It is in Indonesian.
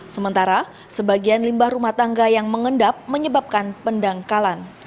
sementara sebagian limbah rumah tangga yang mengendap menyebabkan pendangkalan